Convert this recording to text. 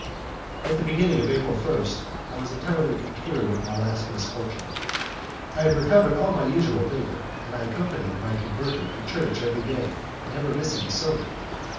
At the beginning of April I was entirely cured of my last misfortune. I had recovered all my usual vigour, and I accompanied my converter to church every day, never missing a sermon.